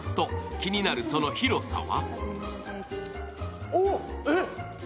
気になるその広さは？